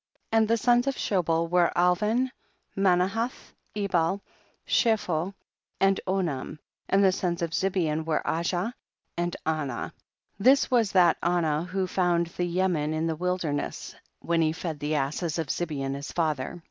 28. And the sons of Shobal were Alvan, Manahath, Ebal, Shepho, and Onam, and the sons of Zibeon were Ajah, and Anah, this tvas that Anah who found the Yemim in the wilder ness when he fed the asses of Zibeon his father.